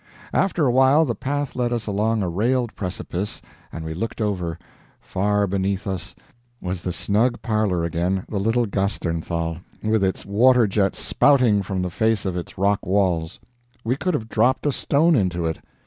After a while the path led us along a railed precipice, and we looked over far beneath us was the snug parlor again, the little Gasternthal, with its water jets spouting from the face of its rock walls. We could have dropped a stone into it.